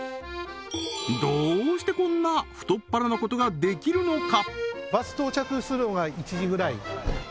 どうしてこんな太っ腹なことができるのか？